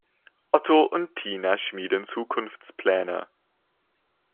Otto und Tina schmieden Zukunftspläne.